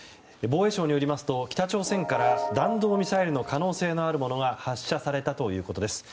防衛省によりますと北朝鮮から弾道ミサイルの可能性のあるものが発射されたということです。